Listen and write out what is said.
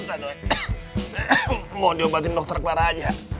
saya mau diobatin dokter clara aja